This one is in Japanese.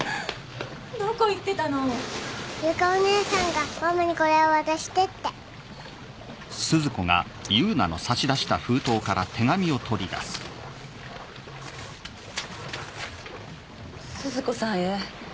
どこ行ってたの⁉由香お姉さんがママにこれを渡してって「鈴子さんへ」